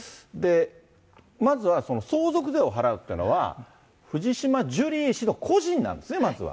まずは相続税を払うっていうのは、藤島ジュリー氏の個人なんですね、まずは。